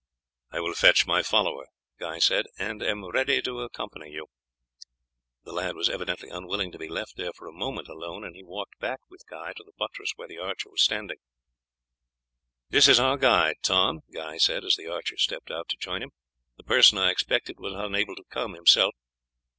"I will fetch my follower," Guy said, "and am ready to accompany you." The lad was evidently unwilling to be left there for a moment alone, and he walked back with Guy to the buttress where the archer was standing. "This is our guide, Tom," Guy said, as the archer stepped out to join him; "the person I expected was unable to come himself.